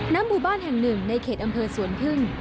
หมู่บ้านแห่งหนึ่งในเขตอำเภอสวนพึ่ง